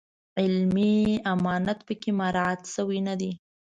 علمي امانت په کې مراعات شوی نه وي.